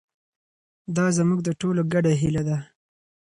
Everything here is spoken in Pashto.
دا زموږ د ټولو ګډه هیله ده.